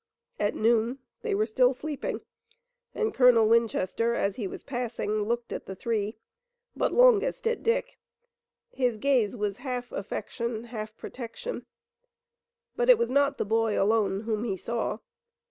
At noon they were still sleeping, and Colonel Winchester, as he was passing, looked at the three, but longest at Dick. His gaze was half affection, half protection, but it was not the boy alone whom he saw.